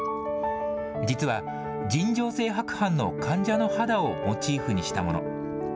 実は、尋常性白斑の患者の肌をモチーフにしたもの。